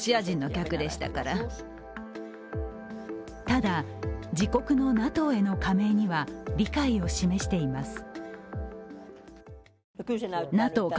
ただ、自国のＮＡＴＯへの加盟には理解を示しています。